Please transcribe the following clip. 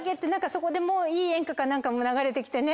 そこでもういい演歌か何か流れて来てね。